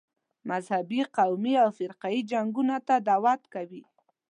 مذهبي، قومي او فرقه یي جنګونو ته دعوت کوي.